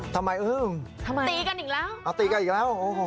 ทำไมอึ้งทำไมตีกันอีกแล้วเอาตีกันอีกแล้วโอ้โห